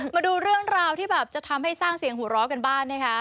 มาดูเรื่องราวที่แบบจะทำให้สร้างเสียงหัวเราะกันบ้างนะคะ